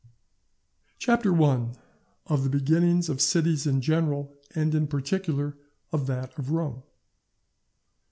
CHAPTER I.—_Of the Beginnings of Cities in general, and in particular of that of Rome.